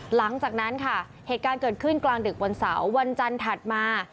หลังจากนั้นค่ะเหตุการณ์เกิดขึ้นกลางดึกวันเสาร์วันจันทร์ถัดมา